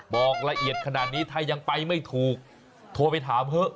บอกละเอียดขนาดนี้ถ้ายังไปไม่ถูกโทรไปถามเถอะ